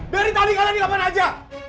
dari tadi kalian di mana aja